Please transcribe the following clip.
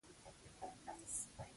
ډېر دروند و . د پورتې نه و.